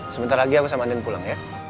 sebentar lagi aku sama andien pulang